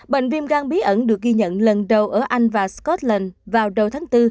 bệnh viêm gan bí ẩn được ghi nhận lần đầu ở anh và scotland vào đầu tháng bốn